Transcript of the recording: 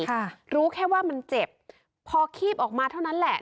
ค่ะรู้แค่ว่ามันเจ็บพอคีบออกมาเท่านั้นแหละ